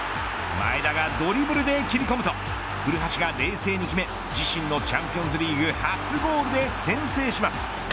前田がドリブルで切り込むと古橋が冷静に決め自身のチャンピオンズリーグ初ゴールで先制します。